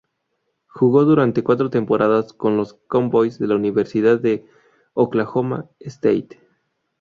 Jugó durante cuatro temporadas con los "Cowboys" de la Universidad de Oklahoma State.